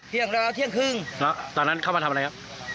เที่ยงแล้วเที่ยงครึ่งแล้วตอนนั้นเข้ามาทำอะไรครับ